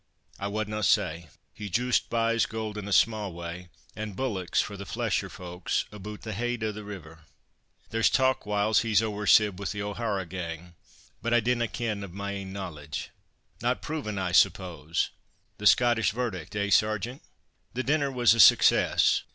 "I wadna say; he joost buys gold in a sma' way, and bullocks, for the flesher folk, aboot the heid o' the river. There's talk whiles that he's ower sib with the O'Hara gang, but I dinna ken o' my ain knowledge." "Not proven, I suppose—the Scottish verdict, eh! Sergeant?" The dinner was a success.